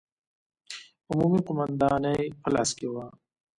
عمومي قومانداني په لاس کې وه.